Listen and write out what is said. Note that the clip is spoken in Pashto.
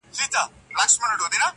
انسان په ژوند کې د هدف له مخې حرکت کوي.